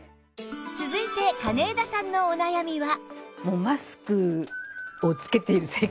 続いて金枝さんのお悩みは